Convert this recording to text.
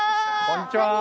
こんにちは！